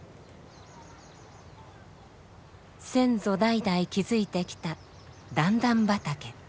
先祖代々築いてきた段々畑。